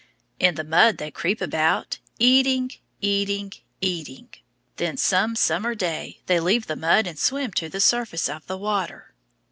In the mud they creep about, eating, eating, eating. Then some summer day they leave the mud and swim to the surface of the water.